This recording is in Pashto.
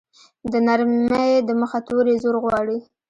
د نرمې ی د مخه توری زور غواړي.